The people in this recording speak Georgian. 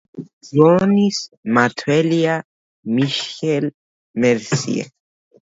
რონის მმართველია მიშელ მერსიე.